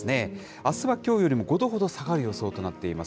あすはきょうよりも５度ほど下がる予想となっています。